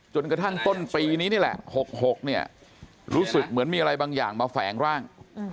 จนกระทั่งต้นปีนี้นี่แหละ๖๖เนี่ยรู้สึกเหมือนมีอะไรบางอย่างมาแฝงร่าง